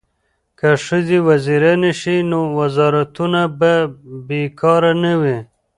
که ښځې وزیرانې شي نو وزارتونه به بې کاره نه وي.